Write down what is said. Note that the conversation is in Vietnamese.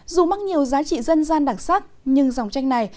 dù mắc nhiều giá trị dân gian đặc sắc nhưng dòng tranh này